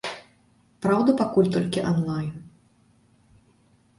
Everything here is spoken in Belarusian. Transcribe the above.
Праўда, пакуль толькі анлайн.